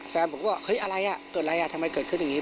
แฟนผมก็บอกเฮ้ยอะไรอ่ะเกิดอะไรอ่ะทำไมเกิดขึ้นอย่างนี้